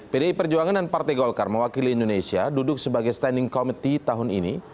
pdi perjuangan dan partai golkar mewakili indonesia duduk sebagai standing committee tahun ini